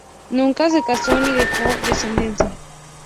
Nunca se casó ni dejó descendencia.